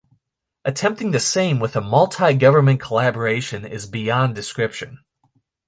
Attempting the same with a multigovernment collaboration is beyond description.